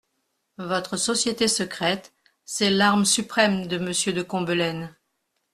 Votre société secrète, c'est l'arme suprême de Monsieur de Combelaine.